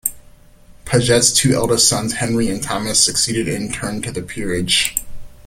Paget's two eldest sons, Henry and Thomas, succeeded in turn to the peerage.